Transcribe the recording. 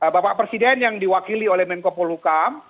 bapak presiden yang diwakili oleh menko polhukam